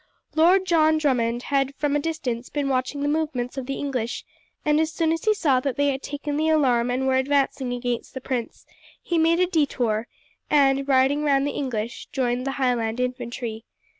Lord John Drummond had from a distance been watching the movements of the English, and as soon as he saw that they had taken the alarm and were advancing against the prince, he made a detour, and, riding round the English, joined the Highland infantry.